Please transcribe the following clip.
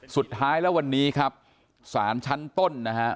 สุดท้ายแล้ววันนี้ครับศาลชั้นต้นนะฮะ